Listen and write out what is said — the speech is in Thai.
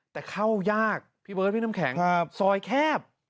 แต่เข้ายากพี่เบิร์ดพี่น้ำแข็งซอยแคบ